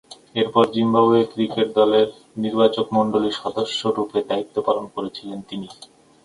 এরপর Zimbabwe cricket দলের নির্বাচকমণ্ডলীর সদস্যরূপে দায়িত্ব পালন করেছিলেন তিনি।